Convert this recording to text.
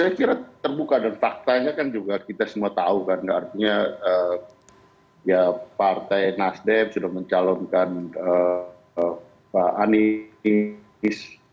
saya kira terbuka dan faktanya kan juga kita semua tahu kan artinya ya partai nasdem sudah mencalonkan pak anies